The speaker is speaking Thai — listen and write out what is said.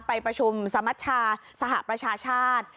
ไปประชุมสมัชชาสหประชาชาติ